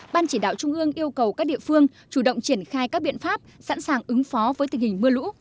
ban chỉ đạo trung ương yêu cầu các địa phương chủ động triển khai các biện pháp sẵn sàng ứng phó với tình hình mưa lũ